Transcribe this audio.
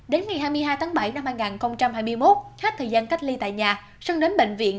đến ngày hai mươi hai tháng bảy năm hai nghìn hai mươi một khách thời gian cách ly tại nhà sơn đến bệnh viện